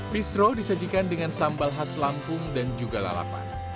bistro disajikan dengan sambal khas lampung dan juga lalapan